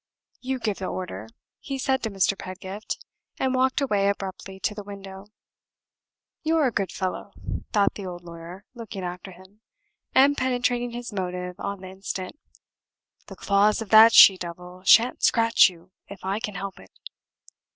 "You give the order," he said to Mr. Pedgift, and walked away abruptly to the window. "You're a good fellow!" thought the old lawyer, looking after him, and penetrating his motive on the instant. "The claws of that she devil shan't scratch you if I can help it."